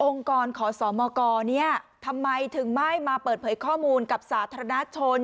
กรขอสมกทำไมถึงไม่มาเปิดเผยข้อมูลกับสาธารณชน